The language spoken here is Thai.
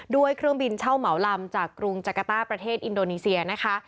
ด้วยเครื่องบินเช่าเหมาลำจากกรุงจักรต้าประเทศอินโดนีเซียนะคะ